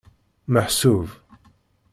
Meḥsub.